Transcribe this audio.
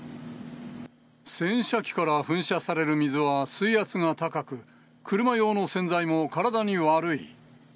洗車機から噴射される水は水圧が高く、車用の洗剤も体に悪い。